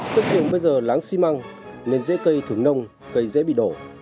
sức kiềm bây giờ láng xi măng nên dễ cây thường nông cây dễ bị đổ